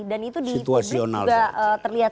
dan itu di publik juga terlihat